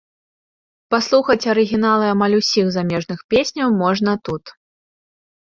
Паслухаць арыгіналы амаль усіх замежных песняў можна тут.